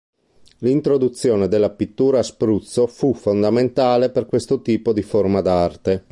L'introduzione della pittura a spruzzo fu fondamentale per questo tipo di forma d'arte.